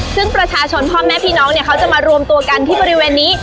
ซึ่งประชาชนพ่อแม่พี่น้องเนี่ยเขาจะมารวมตัวกันที่บริเวณนี้